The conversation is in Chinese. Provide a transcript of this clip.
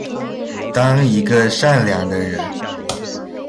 当一个善良的人